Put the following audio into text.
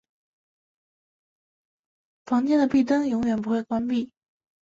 房间的壁灯永远不会关闭。